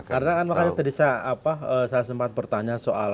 karena kan tadi saya sempat bertanya soal